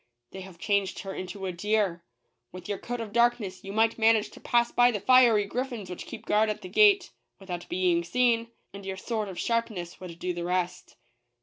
They have changed her into a deer. With your coat of darkness you might manage to pass by the fiery griffins which keep guard at the gate, without being seen ; and your sword of sharpness would do the rest."